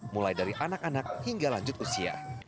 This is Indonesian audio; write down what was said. mulai dari anak anak hingga lanjut usia